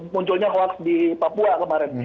munculnya hoax di papua kemarin